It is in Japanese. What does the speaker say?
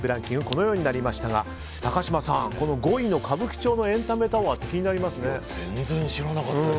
このようになりましたが高嶋さん、５位の歌舞伎町のエンタメタワーって気になりますね。